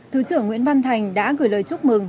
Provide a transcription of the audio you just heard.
thứ trưởng nguyễn văn thành đã gửi lời chúc mừng